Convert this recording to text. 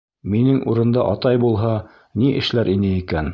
Минең урында атай булһа, ни эшләр ине икән?